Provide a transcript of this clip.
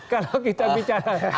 kalau kita bicara